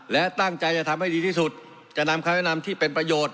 และตั้งใจจะทำให้ดีที่สุดจะนำคำแนะนำที่เป็นประโยชน์